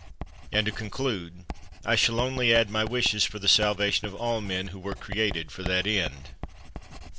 And to conclude, I shall only add my wishes for the salvation of all men who were created for that end.